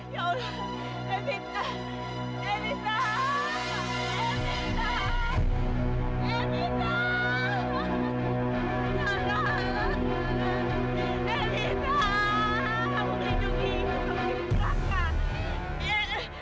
ya udah kita bisa